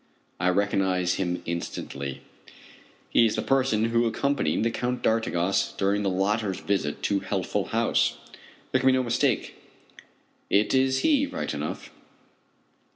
I recognize him instantly. He is the person who accompanied the Count d'Artigas during the latter's visit to Healthful House. There can be no mistake it is he right enough.